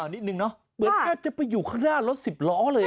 นิดนึงเนอะเหมือนแทบจะไปอยู่ข้างหน้ารถสิบล้อเลย